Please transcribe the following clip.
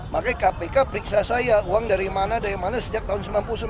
makanya kpk periksa saya uang dari mana dari mana sejak tahun seribu sembilan ratus sembilan puluh sembilan